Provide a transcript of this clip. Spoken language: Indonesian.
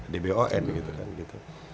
setelah itu lahirlah dbon gitu kan